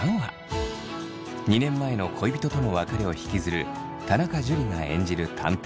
２年前の恋人との別れを引きずる田中樹が演じる探偵